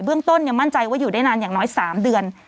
เรื่องต้นมั่นใจว่าอยู่ได้นานอย่างน้อย๓เดือน